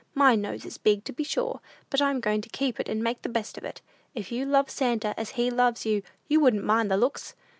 My nose is big, to be sure, but I'm going to keep it and make the best of it! If you love Santa as he loves you, you wouldn't mind the looks.